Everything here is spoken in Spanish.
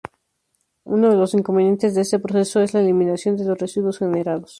Uno de los inconvenientes de este proceso es la eliminación de los residuos generados.